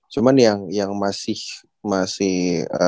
cuman yang masih masih